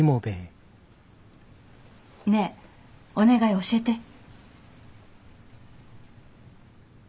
ねえお願い教えて。